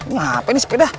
ngapain nih sepeda